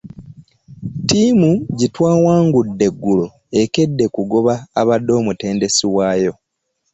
Ttiimu gye twawangudde eggulo ekedde kugoba abadde omutendesi waayo.